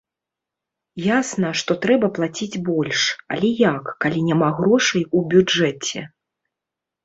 Ясна, што трэба плаціць больш, але як, калі няма грошай у бюджэце?